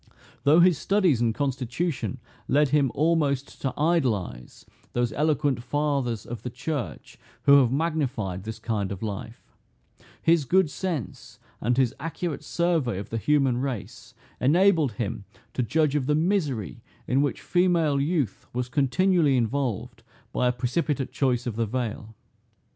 Though his studies and constitution led him almost to idolize those eloquent fathers of the church who have magnified this kind of life, his good sense and his accurate survey of the human race, enabled him to judge of the misery in which female youth was continually involved by a precipitate choice of the veil.